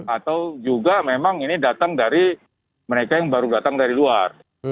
atau juga memang ini datang dari mereka yang baru datang dari luar